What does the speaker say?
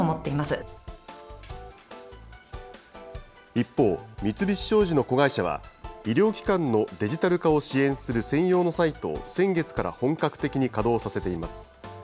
一方、三菱商事の子会社は、医療機関のデジタル化を支援する専用のサイトを、先月から本格的に稼働させています。